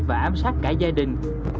và ám sát cả gia đình